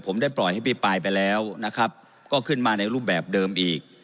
ผมได้ปล่อยให้พิปรายไปแล้วนะครับก็ขึ้นมาในรูปแบบเดิมอีก